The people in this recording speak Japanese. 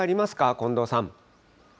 近藤さん。